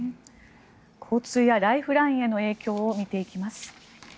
交通やライフラインへの影響を見ていきます。